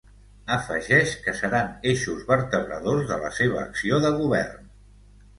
Afegeix que seran eixos vertebradors de la seva acció de govern.